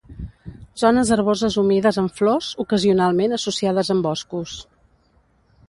Zones herboses humides amb flors, ocasionalment associades amb boscos.